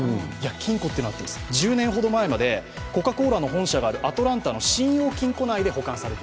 金庫というのは合っています、１０年ほど前までコカ・コーラの本社があるアトランタの信用金庫内で。